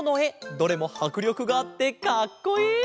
どれもはくりょくがあってかっこいい！